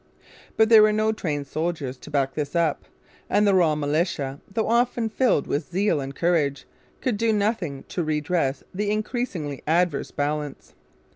But there were no trained soldiers to back this up; and the raw militia, though often filled with zeal and courage, could do nothing to redress the increasingly adverse balance.